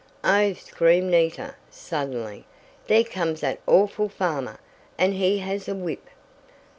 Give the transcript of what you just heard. "Oh!" screamed Nita, suddenly, "there comes that awful farmer! And he has a whip!"